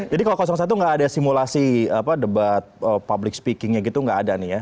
jadi kalau satu gak ada simulasi debat public speakingnya gitu gak ada nih ya